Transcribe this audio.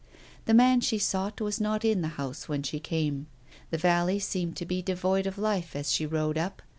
The man she sought was not in the house when she came. The valley seemed to be devoid of life as she rode up.